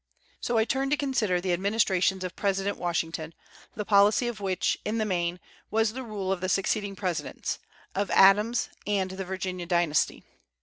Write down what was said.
So I turn to consider the administrations of President Washington, the policy of which, in the main, was the rule of the succeeding presidents, of Adams and "the Virginia dynasty."